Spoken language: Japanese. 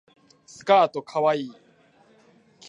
スカートかわいい